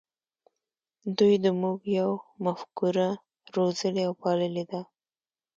دوی د "موږ یو" مفکوره روزلې او پاللې ده.